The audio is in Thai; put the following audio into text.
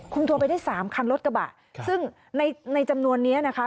ตัวไปได้สามคันรถกระบะซึ่งในในจำนวนนี้นะคะ